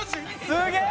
すげえ！